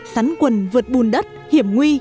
sắn quần vượt bùn đất hiểm nguy